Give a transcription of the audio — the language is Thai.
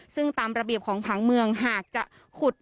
ซึ่งตามระเบียบของผังเมืองหากจะขุดหรือทำบ่อดิน